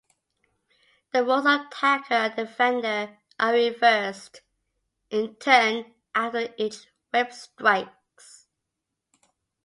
The roles of attacker and defender are reversed in turns after each whip strikes.